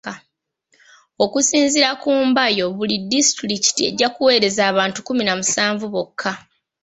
Okusinziira ku Mbayo buli disitulikiti ejja kuweereza abantu kkumi na musanvu bokka.